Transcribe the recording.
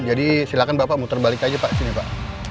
jadi silahkan bapak muter balik aja pak disini pak